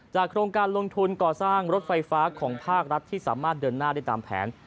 โครงการลงทุนก่อสร้างรถไฟฟ้าของภาครัฐที่สามารถเดินหน้าได้ตามแผน